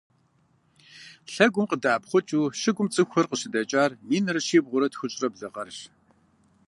Лъэгум къыдэӏэпхъукӏыу щыгум цӏыхухэр къыщыдэкӏар минрэ щибгъурэ тхущӏрэ блы гъэрщ.